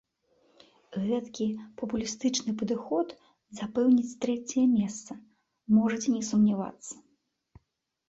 Гэткі папулістычны падыход запэўніць трэцяе месца, можаце не сумнявацца.